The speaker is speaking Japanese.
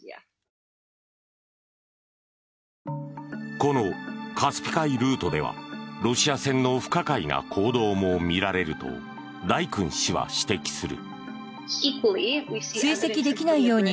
このカスピ海ルートではロシア船の不可解な行動も見られるとダイクン氏は指摘する。